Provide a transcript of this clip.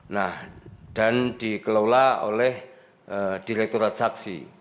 nah dan dikelola oleh direkturat saksi